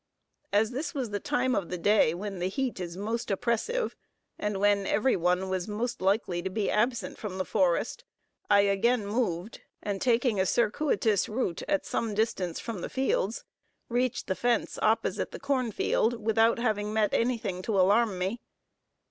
As this was the time of the day when the heat is most oppressive, and when every one was most likely to be absent from the forest, I again moved, and taking a circuitous route at some distance from the fields, reached the fence opposite the corn field, without having met anything to alarm me.